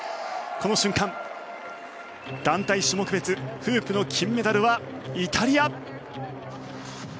この瞬間、団体種目別フープの金メダルはイタリア。